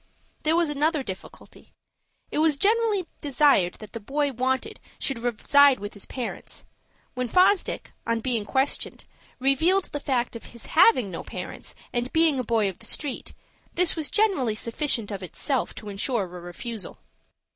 There was another difficulty. It was generally desired that the boy wanted should reside with his parents. When Fosdick, on being questioned, revealed the fact of his having no parents, and being a boy of the street, this was generally sufficient of itself to insure a refusal.